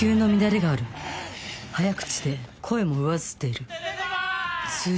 早口で声も上ずっている出て来い！